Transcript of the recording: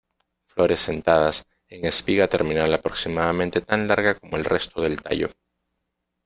Flores sentadas, en espiga terminal aproximadamente tan larga como el resto del tallo.